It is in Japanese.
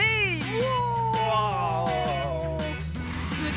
うわ！